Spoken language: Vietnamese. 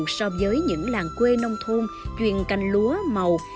có phần cao hơn nhiều so với những làng quê nông thôn chuyền canh lúa màu